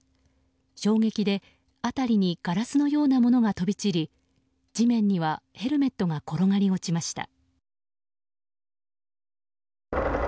衝撃で、辺りにガラスのようなものが飛び散り地面にはヘルメットが転がり落ちました。